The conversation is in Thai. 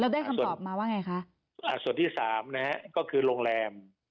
ได้คำตอบมาว่าไงคะอ่าส่วนที่สามนะฮะก็คือโรงแรม